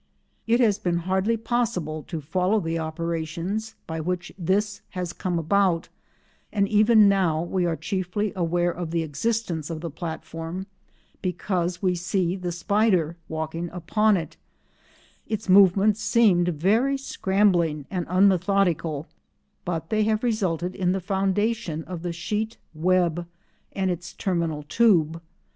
It has been hardly possible to follow the operations by which this has come about, and even now we are chiefly aware of the existence of the platform because we see the spider walking upon it; its movements seemed very scrambling and unmethodical, but they have resulted in the foundation of the sheet web and its terminal tube.